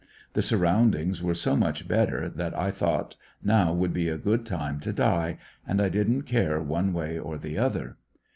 The surround ings were so much better that I thought now would be a good time to die, and I didn't care one way or the other.